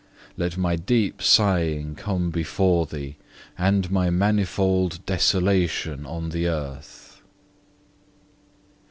Let my deep sighing come before Thee, and my manifold desolation on the earth.